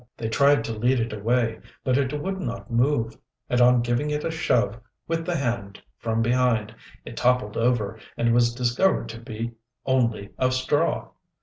They tried to lead it away, but it would not move; and on giving it a shove with the hand from behind, it toppled over and was discovered to be only of straw.